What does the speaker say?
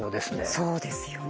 そうですよね。